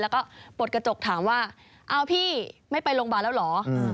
แล้วก็ปลดกระจกถามว่าเอาพี่ไม่ไปโรงพยาบาลแล้วเหรอ